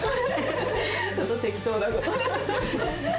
ちょっと適当なことを。